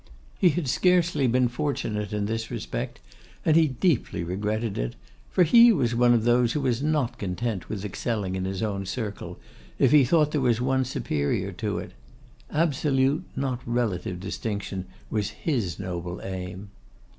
He had scarcely been fortunate in this respect, and he deeply regretted it; for he was one of those who was not content with excelling in his own circle, if he thought there was one superior to it. Absolute, not relative distinction, was his noble aim.